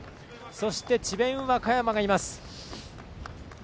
そして、智弁和歌山がいます。